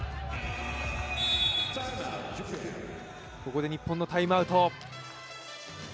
ここで日本のタイムアウト。